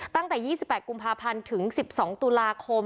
ตั้งแต่๒๘กุมภาพันธ์ถึง๑๒ตุลาคม